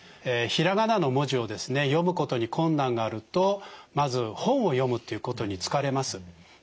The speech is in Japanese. ひらがなの文字を読むことに困難があるとまず本を読むということに疲れます。